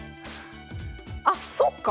あっそっか！